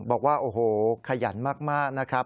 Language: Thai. บอกว่าโอ้โหขยันมากนะครับ